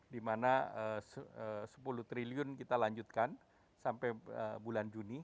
dimana rp sepuluh triliun kita lanjutkan sampai bulan juni